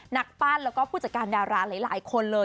นักปั้นแล้วก็ผู้จัดการดาราหลายคนเลย